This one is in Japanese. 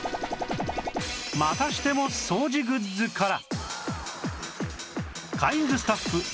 またしても掃除グッズから